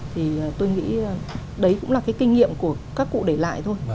thì tôi nghĩ đấy cũng là cái kinh nghiệm của các cụ để lại thôi